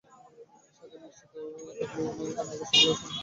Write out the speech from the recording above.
স্বাদে মিষ্টত্ব থাকলেও আনারসে গ্লাইসেমিক ইনডেক্স কম।